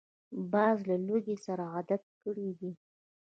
باز له لوږې سره عادت کړی دی